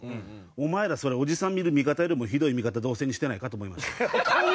お前らそれおじさん見る見方よりもひどい見方同性にしてないか？と思いました。